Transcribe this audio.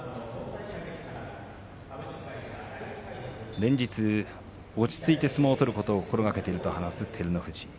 連日、落ち着いて相撲を取ることを心がけているという照ノ富士。